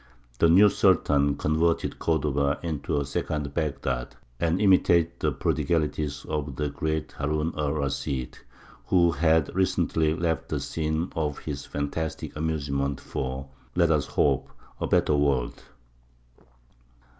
The new Sultan converted Cordova into a second Baghdad, and imitated the prodigalities of the great Harūn er Rashīd, who had recently left the scene of his fantastic amusements for, let us hope, a better world.